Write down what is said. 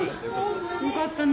よかったね。